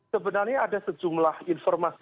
sebenarnya ada sejumlah informasi